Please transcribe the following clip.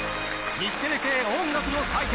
日テレ系音楽の祭典